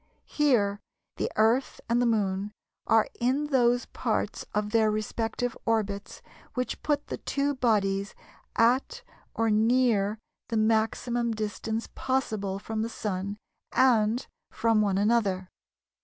Here the Earth and the Moon are in those parts of their respective orbits which put the two bodies at or near the maximum distance possible from the Sun and from one another.